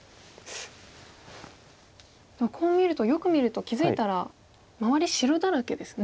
こう見るとよく見ると気付いたら周り白だらけですね。